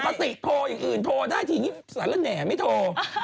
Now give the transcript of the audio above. ติโทรอย่างอื่นโทรได้ทีนี้สารแหน่ไม่โทร